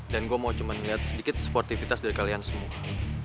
dan gue mau cuma liat sedikit sportivitas dari kalian semua